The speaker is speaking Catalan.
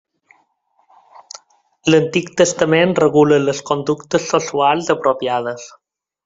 L’Antic Testament regula les conductes sexuals apropiades.